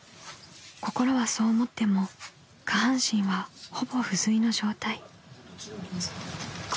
［心はそう思っても下半身はほぼ不随の状態］